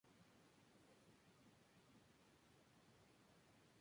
Tras los miles de muertos, algunos sobrevivientes desesperados saquearon lo que quedaba.